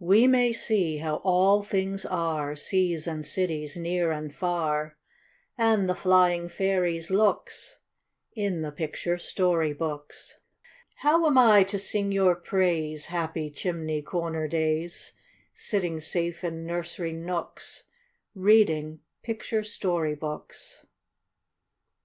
We may see how all things are, Seas and cities, near and far, And the flying fairies' looks, In the picture story books. How am I to sing your praise, Happy chimney corner days, Sitting safe in nursery nooks, Reading picture story books?